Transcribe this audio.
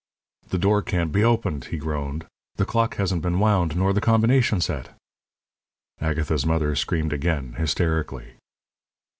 "The door can't be opened," he groaned. "The clock hasn't been wound nor the combination set." Agatha's mother screamed again, hysterically.